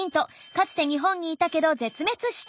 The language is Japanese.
かつて日本にいたけど絶滅した。